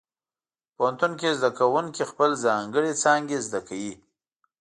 پوهنتون کې زده کوونکي خپلې ځانګړې څانګې زده کوي.